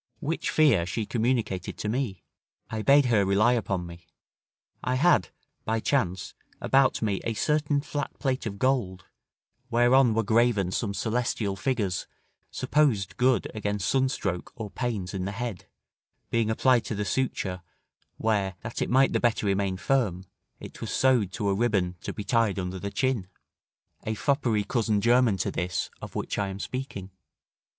Which fear she communicated to me. I bade her rely upon me: I had, by chance, about me a certain flat plate of gold, whereon were graven some celestial figures, supposed good against sunstroke or pains in the head, being applied to the suture: where, that it might the better remain firm, it was sewed to a ribbon to be tied under the chin; a foppery cousin german to this of which I am speaking.